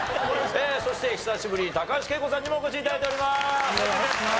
そして久しぶり高橋惠子さんにもお越し頂いております。